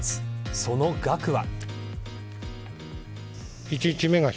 その額は。